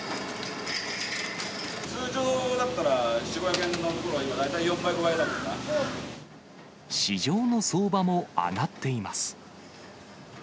通常だったら４、５００円のところ、市場の相場も上がっています。